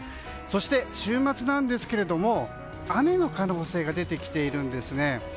そして週末は雨の可能性が出てきているんですね。